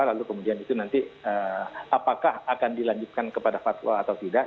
lalu kemudian itu nanti apakah akan dilanjutkan kepada fatwa atau tidak